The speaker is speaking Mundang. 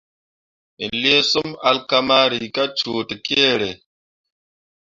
Me lii sum alkamari kah cuu tekere.